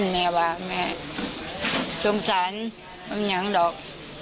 แม่ว่าแม่สงสัยมันไม่อยากหลอก